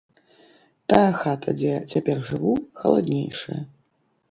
Тая хата, дзе цяпер жыву, халаднейшая.